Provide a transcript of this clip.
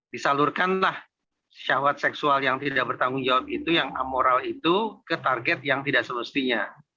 disalurkanlah syahwat seksual yang tidak bertanggung jawab itu yang amoral itu ke target yang tidak semestinya